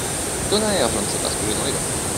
Tonnerre ! je ne sais pas ce que j'ai dans les veines.